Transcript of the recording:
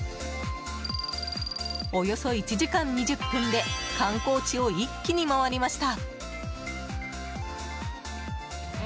およそ１時間２０分で観光地を一気に回りました。